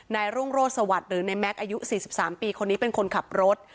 รุ่งโรสวัสดิ์หรือในแม็กซ์อายุ๔๓ปีคนนี้เป็นคนขับรถ